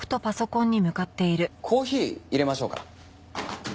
コーヒー入れましょうか？